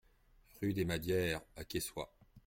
Rue des Madières à Quessoy